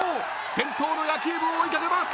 先頭の野球部を追い掛けます。